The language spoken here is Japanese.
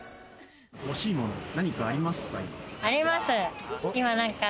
欲しいもの、何かありますか？